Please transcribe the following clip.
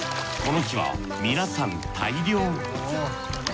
この日は皆さん大漁。